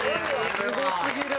すごすぎる！